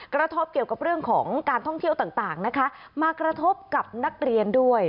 กระทบเกี่ยวกับเรื่องของการท่องเที่ยวต่างนะคะมากระทบกับนักเรียนด้วย